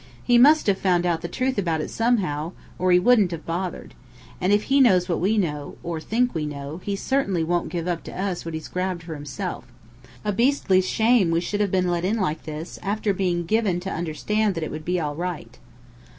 He must have found out the truth about it somehow, or he wouldn't have bothered. And if he knows what we know or think we know he certainly won't give up to us what he's grabbed for himself. A beastly shame we should have been let in like this, after being given to understand that it would be all right."